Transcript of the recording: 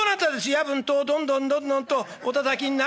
夜分戸をどんどんどんどんとおたたきになるのは」。